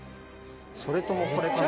それともこれかな？